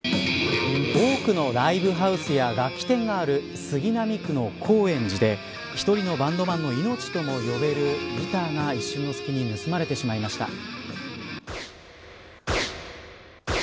多くのライブハウスや楽器店がある杉並区の高円寺で１人のバンドマンの命とも呼べるギターが一瞬のすきに盗まれてしまいました。